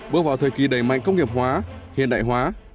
bước vào thời kỳ đầy mạnh công nghiệp hóa hiện đại hóa